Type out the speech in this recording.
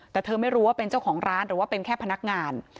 แต่เธอไม่รู้ว่าเป็นเจ้าของร้านหรือว่าเป็นแค่พนักงาน